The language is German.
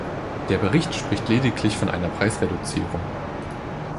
Der Bericht spricht lediglich von einer Preisreduzierung.